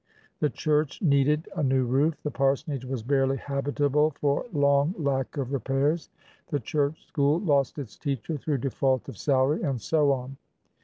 The church needed a new roof; the parsonage was barely habitable for long lack of repairs; the church school lost its teacher through default of salaryand so on.